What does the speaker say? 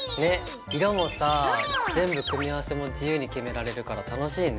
色もさ全部組み合わせも自由に決められるから楽しいね。